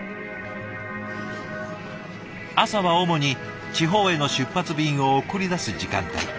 朝は主に地方への出発便を送り出す時間帯。